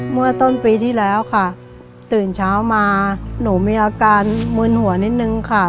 เมื่อต้นปีที่แล้วค่ะตื่นเช้ามาหนูมีอาการมืนหัวนิดนึงค่ะ